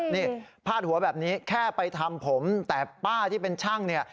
นี่พาดหัวแบบนี้แค่ไปทำผมแต่ป้าที่เป็นช่างเนี่ย